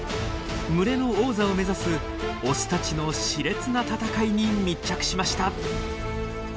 群れの王座を目指すオスたちの熾烈な戦いに密着しました。